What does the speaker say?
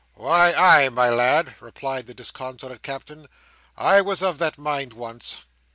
"Why, ay, my lad," replied the disconsolate Captain; "I was of that mind once."